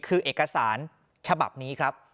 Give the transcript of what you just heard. คือเอกสารฉบับนี้ครับ